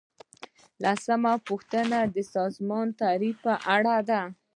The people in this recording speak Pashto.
لسمه پوښتنه د سازمان د تعریف په اړه ده.